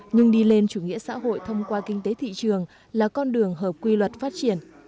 nhưng đi lên chủ nghĩa xã hội thông qua kinh tế thị trường là con đường hợp quy luật phát triển